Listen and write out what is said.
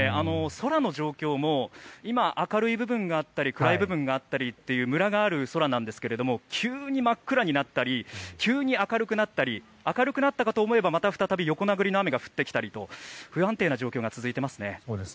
空の状況も今、明るい部分があったり暗い部分があったりというむらがある空なんですけども急に真っ暗になったり急に明るくなったり明るくなったかと思えばまた再び横殴りの雨が降ってきたりと不安定な状況が続いていますね。